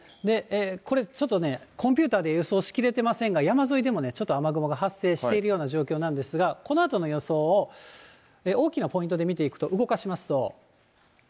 これ、ちょっとね、コンピューターで予想しきれてませんが、山沿いでもちょっと雨雲が発生しているような状況なんですが、このあとの予想を大きなポイントで見ていくと、動かしますと。